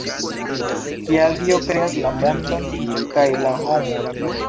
Kial Dio kreas la mondon kaj la homon?